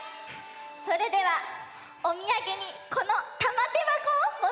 それではおみやげにこのたまてばこをもっていきなさい。